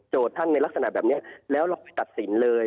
ท่านในลักษณะแบบนี้แล้วเราไปตัดสินเลย